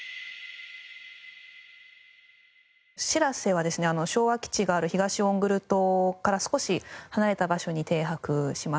しらせはですね昭和基地がある東オングル島から少し離れた場所に停泊します。